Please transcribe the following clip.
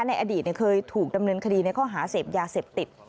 ในอดีตเคยถูกดำเนินคดีในข้อหาเสพยาเสพติด